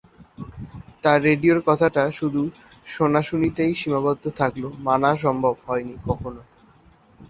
তাই রেডিওর কথাটা শুধু শোনাশুনিতেই সীমাবদ্ধ থাকলো; মানা সম্ভব হয়নি কখনো।